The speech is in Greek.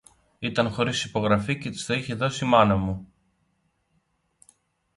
Ήταν χωρίς υπογραφή, και της το είχε δώσει η μάνα μου